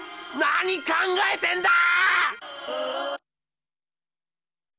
何考えてんだ！